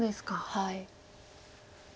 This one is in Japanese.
はい。